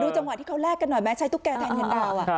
จังหวะที่เขาแลกกันหน่อยไหมใช้ตุ๊กแก่แทนเงินดาว